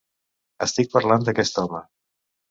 Estic parlant d'aquest home.